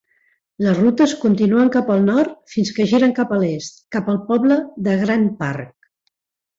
Les rutes continuen cap al nord fins que giren cap a l'est cap al poble de Grant Park.